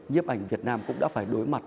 nhếp ảnh việt nam cũng đã phải đối mặt